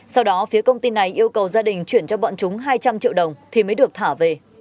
sau đó phía công ty này yêu cầu gia đình chuyển cho bọn chúng hai trăm linh triệu đồng thì mới được thả về